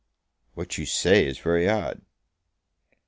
"What you say is very odd."